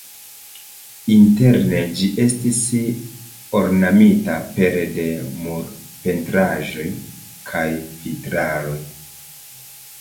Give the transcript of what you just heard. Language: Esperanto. Interne ĝi estis ornamita pere de murpentraĵoj kaj vitraloj.